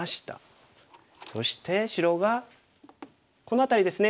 そして白がこの辺りですね